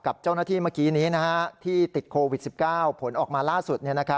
กับเจ้าหน้าที่เมื่อกี้นี้ที่ติดโควิด๑๙ผลออกมาล่าสุด